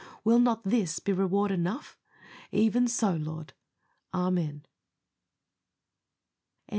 Will not this be reward enough? Even so, Lord. Amen.